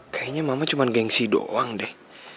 kayaknya mama cuma gengsi doang deh